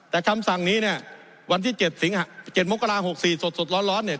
แต่คำสั่งนี้เนี่ยวันที่๗มกรา๖๔สดร้อนเนี่ย